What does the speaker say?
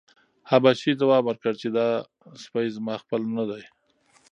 حبشي ځواب ورکړ چې دا سپی زما خپل نه دی.